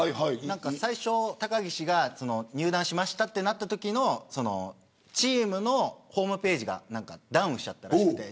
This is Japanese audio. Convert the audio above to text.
最初、高岸が入団しましたとなったときのチームのホームページがダウンしちゃったらしくて。